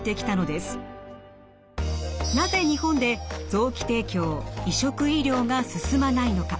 なぜ日本で臓器提供移植医療が進まないのか。